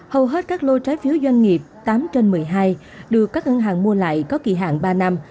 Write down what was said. hầu hết các lô trái phiếu doanh nghiệp tám trên một mươi hai được các ngân hàng mua lại có kỳ hạn ba năm